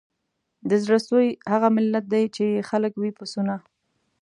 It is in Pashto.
د زړه سوي هغه ملت دی چي یې خلک وي پسونه